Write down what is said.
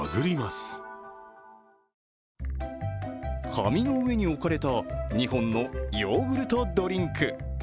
紙の上に置かれた２本のヨーグルトドリンク。